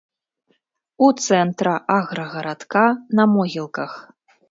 У цэнтра аграгарадка, на могілках.